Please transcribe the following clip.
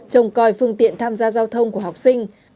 trông coi phương tiện tham gia giao thông của học sinh